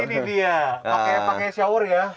ini dia pakai shower ya